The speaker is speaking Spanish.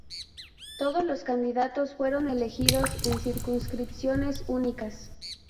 Todos los candidatos fueron elegidos en circunscripciones únicas.